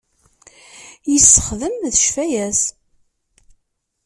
I yessexdem d ccfaya-s.